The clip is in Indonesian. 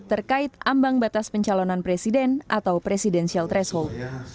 terkait ambang batas pencalonan presiden atau presidensial threshold